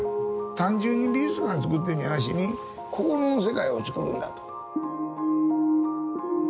単純に美術館つくってんじゃなしに心の世界をつくるんだと。